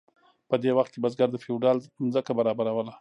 په دې وخت کې بزګر د فیوډال ځمکه برابروله.